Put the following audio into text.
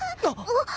あっ！